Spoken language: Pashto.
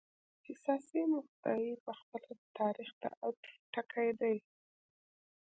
حساسې مقطعې په خپله د تاریخ د عطف ټکي دي.